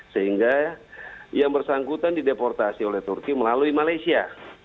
sehingga yang bersangkutan dideportasi oleh turki melalui malaysia